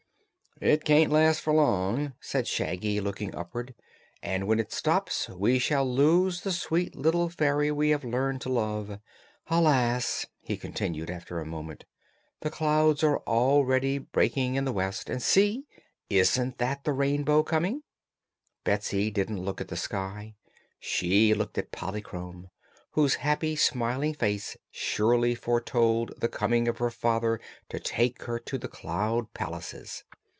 "It can't last for long," said Shaggy, looking upward, "and when it stops we shall lose the sweet little fairy we have learned to love. Alas," he continued, after a moment, "the clouds are already breaking in the west, and see! isn't that the Rainbow coming?" Betsy didn't look at the sky; she looked at Polychrome, whose happy, smiling face surely foretold the coming of her father to take her to the Cloud Palaces.